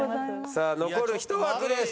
さあ残る１枠です。